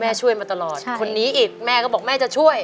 ช่วยมาตลอดคนนี้อีกแม่ก็บอกแม่จะช่วย